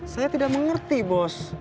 saya tidak mengerti bos